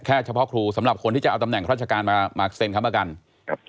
เฉพาะครูสำหรับคนที่จะเอาตำแหน่งราชการมามาเซ็นค้ำประกันครับ